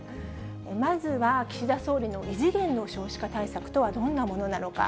まずは岸田総理の、異次元の少子化対策とはどんなものなのか。